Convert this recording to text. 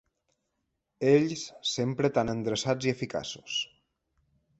Ells sempre tan endreçats i eficaços.